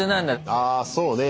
あそうね。